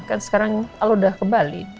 kan sekarang kalau udah ke bali